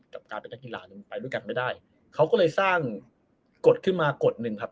กับการเป็นนักกีฬานึงไปด้วยกันไม่ได้เขาก็เลยสร้างกฎขึ้นมากฎหนึ่งครับ